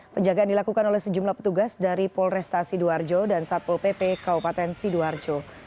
penjagaan dilakukan oleh sejumlah petugas dari polresta sidoarjo dan satpol pp kabupaten sidoarjo